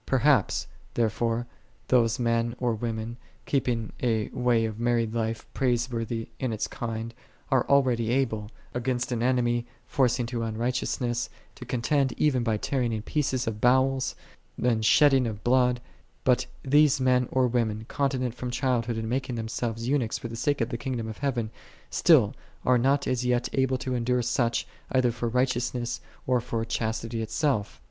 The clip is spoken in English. "3 Perhaps, there fore, those men or women keeping a way of married life praiseworthy in its kind, are al reqdy able, against an enemy forcing to un righteousness, to contend even by tearing in pieces of bowels, and shedding of blood; but these men or women, continent from child hood, and making themselves eunuchs for the sake of the Kingdom of Heaven, still are not as yet able to. endure such, either for righteousness, or for chastity itself.